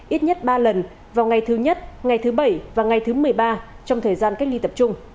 ít nhất ba lần vào ngày thứ nhất ngày thứ bảy và ngày thứ một mươi ba trong thời gian cách ly tập trung